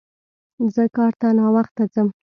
زه کار ته ناوخته ځم